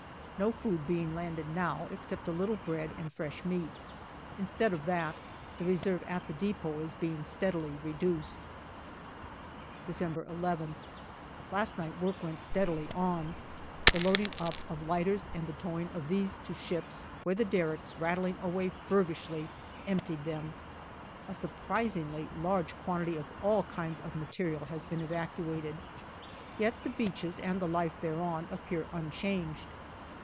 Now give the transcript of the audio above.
No food being landed now, except a little bread and fresh meat. Instead of that, the reserve at the depot is being steadily reduced. December Ilth. Last night work went steadily on the loading up of lighters and the towing of these to ships, where the derricks, rattling away feverishly, emptied them. A surprisingly large quantity of all kinds of material has been evacuated, yet the beaches and the life thereon appear unchanged.